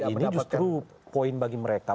ini justru poin bagi mereka